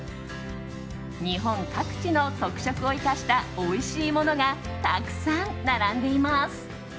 日本各地の特色を生かしたおいしいものがたくさん並んでいます。